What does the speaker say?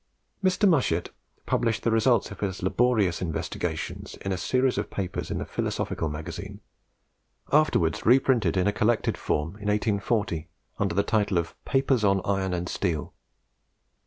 Mr. Mushet published the results of his laborious investigations in a series of papers in the Philosophical Magazine, afterwards reprinted in a collected form in 1840 under the title of "Papers on Iron and Steel."